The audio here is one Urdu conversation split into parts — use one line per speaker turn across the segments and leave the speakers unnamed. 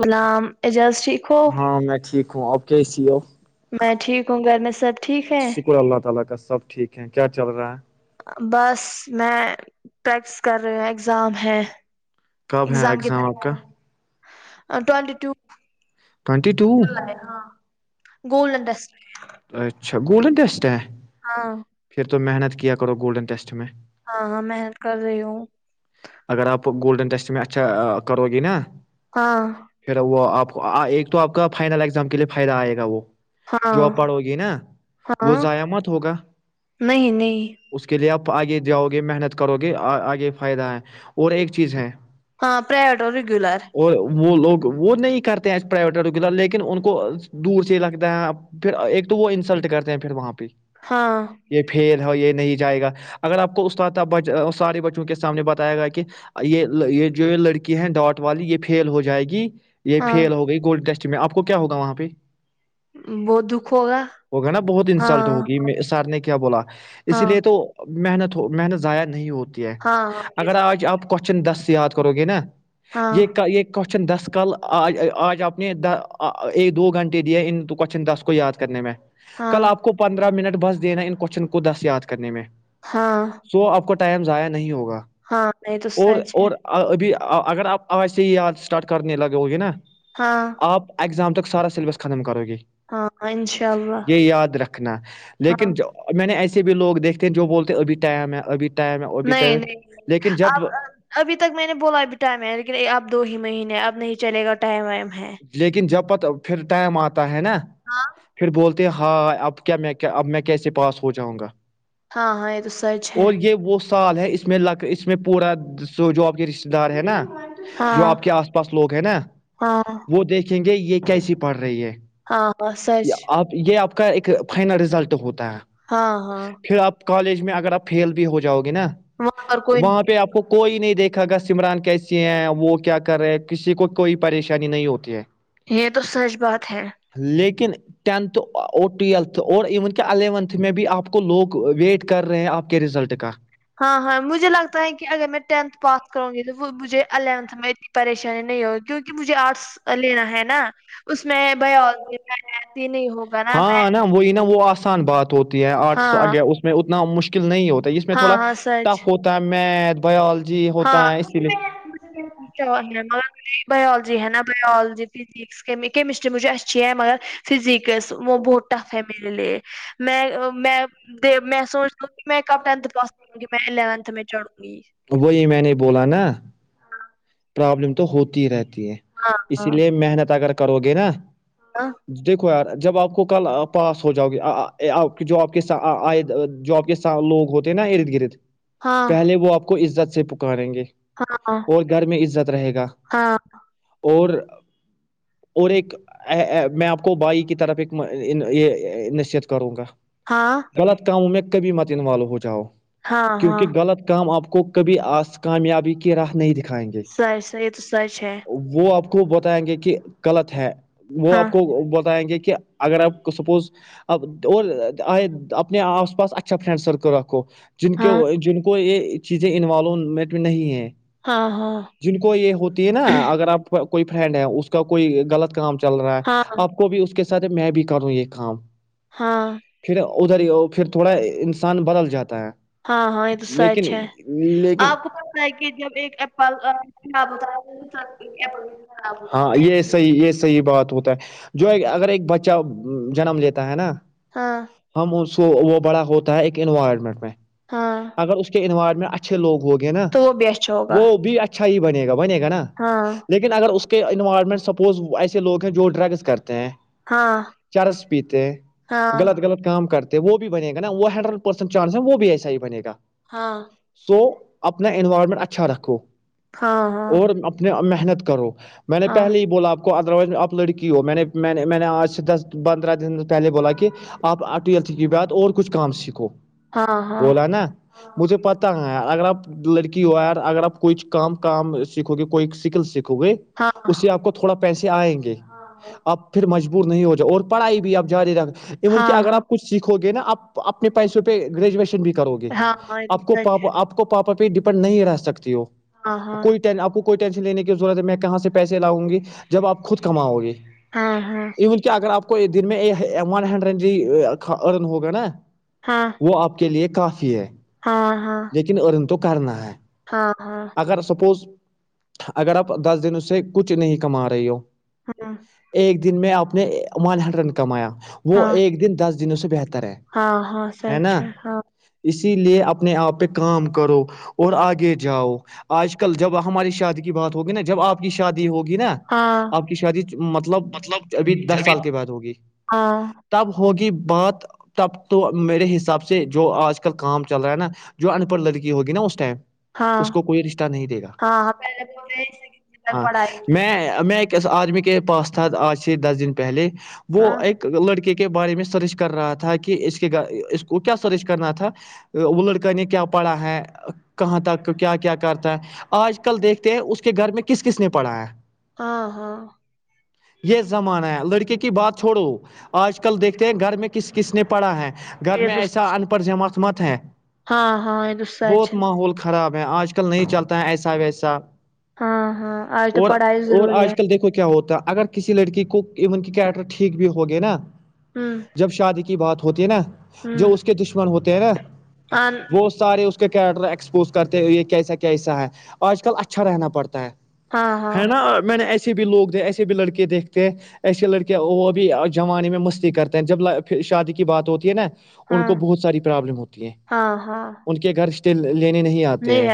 غلام اعجاز ٹھیک ہو
ہاں میں ٹھیک د آپ کےسی آ [unintelligible]
میں ٹھیک ہوں گر میں سر
شکر اللہ تعالی کا سب ٹھیک ہیں کیا چل رہا ہے
بس میں پریکٹس کر رہی ہوں ایگزام ہے
کب ہے ایگزام آپ کا
ٹوینٹی ٹو
ٹونٹی ٹو
گول انڈسٹ
اچھا گولڈن ٹٹیسٹ ہے
ہاں
پھر تو محنت کیا کرو گولڈن ٹیسٹ میں
ہاں ہاں محنت کر رہی ہو
اگر آپ گولڈن ٹیسٹ میں اچھا کرو گے نا
ہاں
پھر وہ آپ ایک تو آپ کا فائنل اگزام کے لیے فائدہ آئے گا وہ جو
ہاں
اپڑھو گی نا
ہاں
وہ ضائع مت ہوگا
نہیں نہیں
اس کے لیے آپ آگے جاؤ گے محنت کرو گے آگے فائدہ ہے اور ایک چیز ہے
ہاں پرائیویٹ اور ریگولر
اور وہ لوگ وہ نہیں کرتے ہیں پرائیویٹ آٹوگ لیکن ان کو دور سے ہی لگتا ہے پھر ایک تو وہ انسلٹ کرتے ہیں پھر وہاں پہ
ہاں
یہ فیل ہو یہ نہیں جائے گا اگر آپ کو استاد ب سارے بچوں کے سامنے بات آئے گا کہ یہ یہ جو لڑکی ہے ڈاٹ والی یہ فیل ہو جائے گی یہ
ہاں
فیل ہو گئی گولڈ ٹیسٹ میں آپ کو کیا ہوگا وہاں پہ
ب د ہوگا [unintelligible]
ہوگ نا بہت انسلٹ
ہاں
ہوگی سر نے کیا بولا اس
ہاں
لیے تو محنت ہو محنت ضائع نہیں ہوتی ہے
ہاں
اگر آج آپ کوشچن دس سے یاد کرو گے نا
ہاں
یہ یہ کوشچن دس کل آج آج آپ نے ایک دو گھنٹے دیا ان کوشچن دس کو یاد کرنے میں کل
ہاں
آپ کو پندرہ منٹ بس دینا ان کوشچن کو دس یاد کرنے میں
ہاں
سو آپ کو ٹائم ضائع نہیں ہوگا
ہاں نہیں تو
اور
سچ ہے
اور ابھی اگر آپ آواز سے ہی آ اسٹارٹ کرنے لگے گے نا
ہاں
آپ ایگزام تک سارا سلیبس ختم کرو گے
ہاں انشاء اللہ
یہ یاد رکھنا
ہاں
لیکن جو میں نے ایسے بھی لوگ دیکھتے ہیں جو بولتے ہیں ابھی ٹائم ہے ابھی ٹائم ہے ابھی ٹائم لیکن
آ
جب
ابھی تک میں نے بولا ابھی ٹائم ہے لیکن اب دو ہی مہینے اب نہیں چے گا ٹائم وائم ہے
لیکن جب پت پھر ٹائم آتا ہے نا
ہاں
پھر بولتے ہیں ہاں اب کیا میں اب میں کیسے پاس ہو جاؤں گا
ہاں ہاں یہ تو سچ ہے
اور یہ وہ سال ہے اس میں ل اس میں پورا س جاب کے رشتتے دار ہے نا جو
ہاں
آپ کے آس پاس لوگ ہیں نا
ہاں
وہ دیکھیں گے یہ کیسی پڑھ رہی ہے
ہاں ہاں سچ
اب یہ آپ کا ایک فائنل ریزلٹ ہوتا ہے
ہاں ہاں
پھر آپ کالج میں اگر آپ فیل بھی ہو جاؤ گے نا
وہاں پر کوئی
وہاں پہ آپ کو کوئی نہیں دیکھا گا سمران کیسی ہیں وہ کیا کر رہے ہیں کسی کو کوئی پریشانی نہیں ہوتی د
یہ تو سچ بات ہے
لیکن ٹینتھ اور ٹویلتھ اور ایون کہ الیونتھ میں بھی آپ کو لوگ ویٹ کر رہے ہیں آپ کیا کے رزلٹ کا
ہاں ہاں مجھے لگتا ہے کہ اگر میں ٹینتھ پاس کروں گی تو مجھے الیونتھ میں اتنی پریشانی نہیں ہوگی کیونکہ مجھے آرٹس لینا ہے نا اس میں بھائی اور رہتی ہی نہیں ہوگا نا میں
وہی نا وہ آسان بات ہوتی ہے آرٹس
ہاں
آگ اس میں اتنا مشکل نہیں ہوتا ج میں
ہاں
تھوڑا
ہاں سچ
ٹف ہوتا ہے میتھ بایولوجی
ہاں
ہوتا ہے اسی لیے
ہے باولوجی ہے نا باالوجی کیمسٹری مجھے اچھی ہے مگر فزکس وہ بہت ٹف ہے میرے لیے میں میں میں سوچ د میں کب پاس کروں گی میں اونھ میں چڑوں گی
وہی میں نے بولا نا پرابلم تو ہوتی ہی رہتی ہے اسی
ہاں
لیے محنت اگر کرو گے نا
[unintelligible]
دیکھو یار جب آپ کو کل پاس ہو جاؤ گی آپ کی جو آپ کے آئے جو آپ کے س لوگ ہوتے ہیں نا ارد گرد
ہاں
پہلے وہ اپنے کو عزت سے پکاریں گے
ہاں
اور گھر میں عزت رہے گا
ہاں
اور اور ایک میں آپ کو بھائی کی طرف ایک یہ نصیحت کروں گا
ہاں
غلط کاموں میں کبھی مت انوالو ہو جاؤ
ہاں ہاں
کیونکہ غلط کام آپ کو کبھی آس کامیابی کی راہ نہیں دکھا
سح سحی یہ تو سی ہے
وہ آپ کو بتائیں گے کہ غلط ہے وہ
ہاں
آپ کو بتائیں گے کہ اگر آپ سپوز اب اور آئے اپنے آس پاس اچھا فرینڈ سرکل رکھو جن
ہاں
کو جن کو یہ چیزیں انوالومنٹ نہیں ہے
ہاں ہاں
جن کو یہ ہوتی ہے نا اگر آپ کوئی فرینڈ ہے اس کا کوئی غلط کام چل رہا ہے
ہاں
آپ کو بھی اس کے ساتھ میں بھی کروں یہ کام
ہاں
پھر ادھر ہی پھر تھوڑا انسان بدل جاتا ہے
ہاں ہاں یہ توسا
لیکن
اچھا ہے
لیکن
آپ کو پت ہے کہ جب ایک ایپل آ
ہاں یہ صحیح یہ صحی بات ہوتا ہے جو ایک اگر ایک بچہ جنم لیتا ہے نا
ہاں
ہم کو وہ بڑا ہوتا ہے ایک انوائرمنٹ میں
ہاں
اگر اس کے انوائرمنٹ اچھا اچھے لوگ ہو گے نا
تو وہ بھی اچھا ہوگا
وہ بھی اچھا ہی بنے گا بنے گا نا
ہاں
لیکن اگر اس کے انوائرمنٹ سپوز ایسے لوگ ہیں جو ڈرگس کرتے ہیں
ہاں
چرس پیتے غلط
ہاں
غلط کام کرتے وہ بھی بنے گا وہ ہنڈریڈ پرسینٹ چانس ہے وہ بھی ایسا ہی بنے گا
ہاں
سو اپنا انینوائرمنٹ اچھا رکھو
ہاں ہاں
اور محنت کرو میں نے
ہاں
پہلے ہی بولا آپ ادروائز آپ لڑی ہو میں نے میں نے آج سے دس پندرہ دن پہے بلا کیا کہ آپ ٹویلتھ کے بعد اور کچھ کام سیکھو
ہاں ہاں ہاں
بولا نا مجھے پتا ہے اگر آپ لڑکی ہو یار اگر آپ کوئی کام کام سیکھو گے کوئی اسکل سیکھو گے
ہاں ہاں
اس سے آپ کو تھوڑا پیسے آئیں گے آپ پھر مجبور نہیں ہو جاؤ اور پڑھائی بھی اپ جاری رکھ ایون کہ
ہاں
اگر آپ کچھ سیکھو گے نا آپ اپنے پیسوں پہ گریجویشن بھی کرو گے آپ کو پاپا آپ کو پاپا پہ ڈیپینڈ نہیں رہ سکتی ہو کوئی ٹین آپ کو کوئی ٹینشن لینے کی ضرورت ہے میں کہاں سے پیسے لاؤں گی جب آپ خود کماؤ گی
ہاں
ایون کیا اگر آپ کو دن میں ون ہنڈریڈ ج ارن ہوگا نا وہ آپ کے لیے کافی ہے
ہاں ہاں
لیکن ارن تو کرنا ہے
ہاں ہاں ہاں ہاں ہاں
اگر سپوز اگر آپ دس دن اس سے کچھ نہیں کما رہی ہو ایک د دن میں آپ نے ون ہنڈ رن کمایا وہ
ہاں
ایک دن دس دنوں سے بہتر ہے
ہاں ہاں
ہے
سچ
نا
ہاں
اسی لیے اپنے آپ پہ کا کرو اور آگے جاؤ آج کل جب ہماری شادی کی بات ہوگی نا جب آپ کی شادی ہوگی نا آپ
ہاں
کی شادی مطلب ابھی دس سال کے بعد ہوگی
ہاں
تب ہوگی بات تب تو میرے حساب سے جو آج کل کام چل رہا ہے نا جو انپڑھ لڑکی ہوگی نا اس ٹائم اس کوئی رشتہ نہیں دے گا
ہاں ہاں
ہاں
پڑھائی
میں میں ایک آدمی کے پاس تھا آج سے دس دن پہلے وہ
ہاں
ایک لڑکے کے بارے میں سرچ کر رہا تھا کہ اس کے اس کو کیا سرچ کرنا تھا وہ لڑکا نے کیا پڑھا ہے کہاں تک کیا کیا کرتا ہے آج کل دیکھتے ہیں اس کے گھر میں کس کس نے پڑھا ہے
ہاں ہاں
یہ زمانہ ہے لڑکے کی بات چھوڑو آج کل دیکھتے ہیں گھر میں کس کس نے پڑھا ہے گھر
یہ
میں ایسا ان پڑھ جمات مت ہے
ہاں ہاں
بہت
سچ
ماحول خراب ہے آج کل نہیں چلتا ہے ایسا ویسا
ہاں ہاں آج تو
اور
پڑھائی
اور
ضروری ہے
آج کل دیکھو کیا ہوتا ہے اگر کسی لڑکی کو ایون کی کیریکٹر ٹھیک بھی ہوگے نا
ہمم
جب شادی کی بات ہوتی ہے نا جو اس کے دشمن ہوتے ہیں نا
ہاں
وہ سارے اس کے کیرٹر ایکسپوز کرتے یہ کیسا کیسا ہے آج کل اچھا رہنا پڑتا ہے
ہاں ہاں
ہے نا میں نے ایسے بھی لوگ ایسے بھی لڑکے دیکھتے ہیں ایسیے لڑکیاں وہ بھی جوانے میں مستی کرتے ہیں جب شادی کی بات ہوتی ہے نا ان
ہاں
کو بہت ساری پرابلم ہوتی ہے
ہاں ہاں
ان کے گھر رشتے لینے نہیں آتے ہیں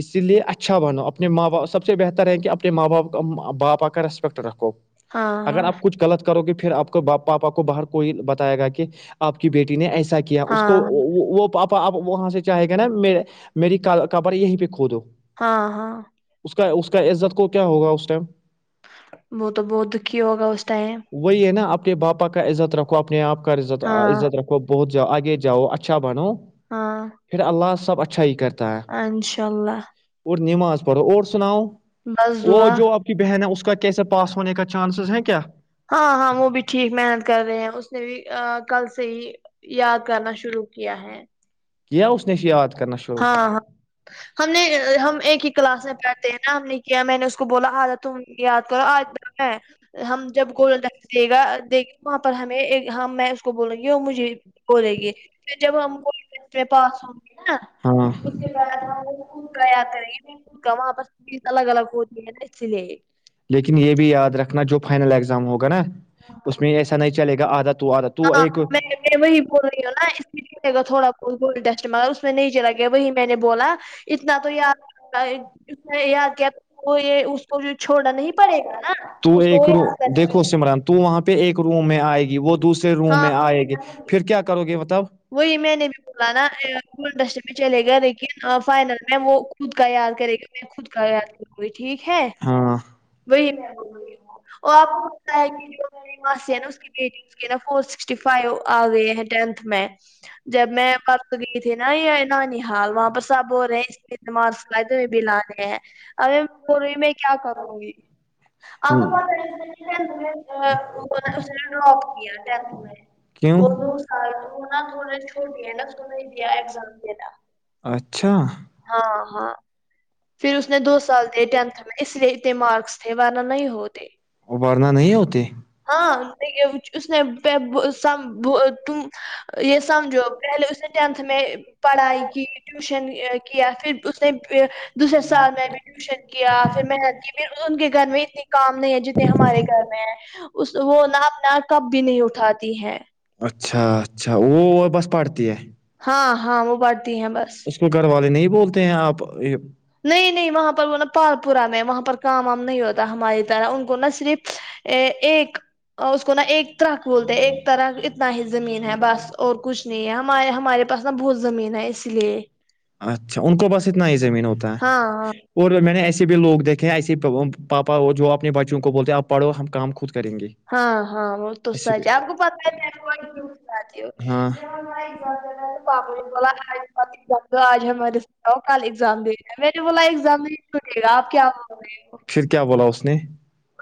اسی لیے اچھا بنو اپنے ماں باپ سب سے بہتر ہے کہ اپنے ماں باپ باپا کا ریسپیکٹ رکھو
ہاں
اگر آپ
ہاں
کچھ غلط کرو گے پھر آپ کو پاپا کو باہر کوئی بتائے گا کہ آپ کی بیٹی نے ایسا کیا اس کو
ہاں
وہ پاپا آپ وہاں سے چاہیں گا نا میری کبر یہیں پہ کھودو
ہاں ہاں
اس کا اس کا عزت کو کیا ہوگا اس ٹائم
وہ تو بہت دکھی ہوگا اس ٹائم
وہی ہے نا اپنے پاپا کا عزت رکھو اپنے آپ کا عزت
ہاں
عزت رکھو بہت جاؤ آگے جاؤ اچھا بنو
ہاں
پھر اللہ سب اچھا ہی کرتا ہے
انشاء اللہ
اور نماز پڑھو اور سناؤ
بس
وہ
دعا
جو آپ کہ بہن اس کا کیسے پاس ہونے کا چانسز ہیں کیا
ہاں ہاں وہ بھی ٹھیک محنت کر رہے ہیں اس نے بھی کل سے ہی یاد کرنا شروع کیا ہے
کیا اس نے یاد کرنا
ہاں ہاں
شروع
ہم نے ہم ایک ہی کلاس میں پڑھتے ہیں نا ہم نے کیا میں نے اس کو بولا آدھا تم یاد کرو آدھا [unintelligible] ہم جب گولڈن ٹیسٹ دے گا دے گا وہاں پر ہمیں میں اس کو بولوں کہ اور مجھے بولے گے پھر جب ہم کو پاس گے نا
ہاں
اس کے بعد
گے، خود
کا
وہاں پر چیز
واںپسز الگ الگ ہوتی ہے نا اس
ہے۔
لیے
لیکن یہ بھی یاد رکھنا جو فائنل ایگزام ہوگا نا اس میں ایسا نہیں چلے گا آدھا تو آدھا تو
ہاں
ایک
میں نے وہی رہی ہو نا اس لیےے گا تھوڑا بہت گول ڈسٹ مگر اس میں نہیں چلا گیا وہی میں نے بولا اتنا تو یار
تو ایک رو
[unintelligible]
دیکھو سمران تو وہاں پہ ایک روم میں آئے گی وہ دوسرے روم
ہاں
میں آئے گی پھر کیا کرو گے مطلب
وہی میں نے بھی بولا نا گولڈن ڈسٹ میں چلے گا لیکن فائنل میں وہ خود کا یاد کرے گا میں خود کا یاد کروں گی ٹھیک ہے وہی
[inaudible]
اور آپ [unintelligible] جب میں تو گئی تھی نا یہ نانی ہال وہاں پر سب ہول رہے ہیں اس لیے اتنے مارکس لائے تمہیں بھی لانے ہیں ارے میں بول رہی ہوں میں کیا کروں گی آپ کو پتہ ہے اس نے ڈراپ کیا ٹینتھ
[inaudible] کیوں
[inaudible] تھوڑا چھوٹ گیا نا، اس نے دیا ایگزام دینا
اچھا
ہاں ہاں پھر اس نے دو سال د ٹینھ میں اس لیے اتنے مارکس تھے وارہ نہیں ہوتے
ابھرنا نہیں ہوتے
ہاں اس س تم یہ سمجھو پہلے اسے ٹینتھ میں پڑھائی کی ٹیوشن کیا پھر اس نے دوسرے سال میں بھی ٹیوشن کیا پھر محنت کی پھر ان کے گھر میں اتنے کام نہیں ہے جتنے ہمارے گھر میں ہے اس وہ ناپ نا کب بھی نہیں اٹھاتی ہیں
اچھا اچھا وہ وہ بس پڑتی ہے
ہاں ہاں وہ پڑھتی ہیں بس
اس کو گھر والے نہیں بولتے ہیں آپ یہ
نہیں نہیں وہاں پر وہ نا پال پورا میں وہاں پر کام وام نہیں ہوتا ہماری طرح ان کو نا صرف ا ایک اس کو نا ایک طرک بولتے ایک طرخ اتنا ہی زمین ہے بس اور کچھ نہیں ہم ہمارے پاس نا بہت زمین ہے اس لیے
اچھا ان کو بس اتنا ہی زمین ہوتا
ہاں ہاں
ہے اور میں نے ایسے بھی لوگ دیکھے ہیں ایسے پاپا اور جو اپنے بچوں کو بولتے ہیں آپ پڑھو ہم کام خود کریں گے
ہاں ہاں وہ تو سچ ہے آپ
شکریہ
کو پتا ہے
ہاں
[unintelligible] تو آج ہمارے س کل ایگزام دے رہا ہے میں نے بولا ایگزام نہیں چھوٹے گا آپ کیا م
پھر کیا بولا اس نے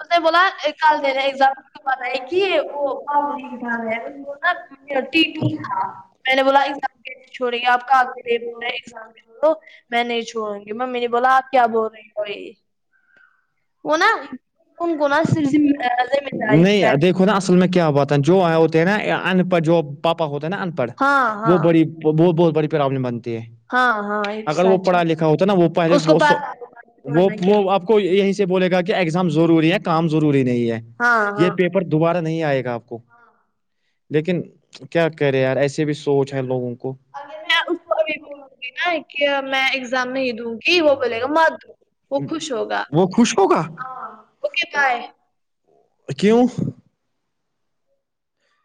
مے بولا کل دنے ایزامپ بتائی کہ تھرٹی ٹ میں نے بولا ایکز چھوڑی ہے آپ کا میں نہیں چھوڑوں گی ممی نے بولا آپ کیا بول رہی ہو بھائی وہ ن انن کونا صر داری کر
نہیں دیکھو نا اصل میں کیا ہواتتا ہے جو ہوتے ہیں نا ان پڑھ جو پاپا ہوتا ہے نا ان پڑھ
ہاں ہاں
وہ بڑی وہ بہت بہت بڑی پرابلم بنتی ہے
ہاں ہاں یہ تو
اگر وہ
سچ ہے
پڑھا لکھا ہوتا ہے نا وہ پہلے
اس کو
وہ
بات کرنا کیا
وہ آپ یہیں سے بولے گا کہ ایگزام ضروری ہے کام ضروری نہیں ہے
ہاں
یہ
ہاں
پیپ دوبارہ نہیں آئے گا آپ کو لیکن کیا کرے یار ایسے بھی سوچ ہے لوگوں کو
اگر میں اس کو بھی بولوں گی نا کہ میں ایگزام نہیں دوں گی جی وہ بلے گا م وہ خوش ہوگا
وہ خوش ہوگا
اکے کا
کیوں